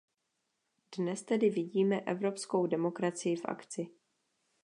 Dnes tedy vidíme evropskou demokracii v akci.